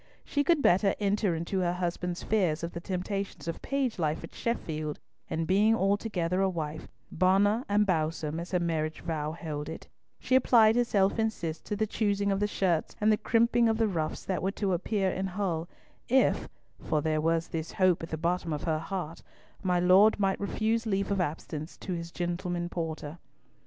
She could better enter into her husband's fears of the temptations of page life at Sheffield, and being altogether a wife, "bonner and boughsome," as her marriage vow held it, she applied herself and Cis to the choosing of the shirts and the crimping of the ruffs that were to appear in Hull, if, for there was this hope at the bottom of her heart, my Lord might refuse leave of absence to his "gentleman porter."